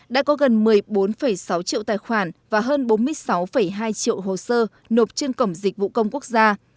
đã có gần một mươi bốn sáu triệu tài khoản và hơn bốn mươi sáu hai triệu hồ sơ nộp trên cổng dịch vụ công quốc gia